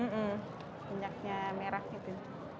minyaknya merah gitu